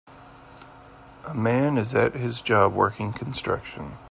a man is at his job working Construction.